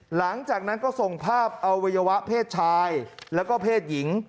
หลังจากนั้นก็ส่งภาพอวัยวะเพศชายแล้วก็เพศหญิง